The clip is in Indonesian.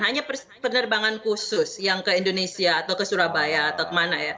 hanya penerbangan khusus yang ke indonesia atau ke surabaya atau kemana ya